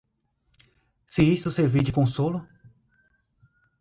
Se isto servir de consolo